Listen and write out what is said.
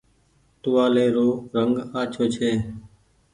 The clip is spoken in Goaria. ٽوهآلي رو رنگ آڇو ڇي۔